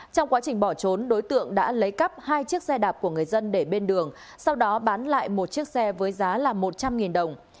trong quá trình bỏ trốn đối tượng đã lấy cắp hai chiếc xe đạp của người dân để bên đường sau đó bán lại một chiếc xe với giá một trăm linh đồng